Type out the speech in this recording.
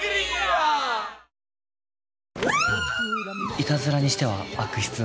いたずらにしては悪質だな。